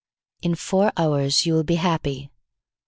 In four hours you will be happy.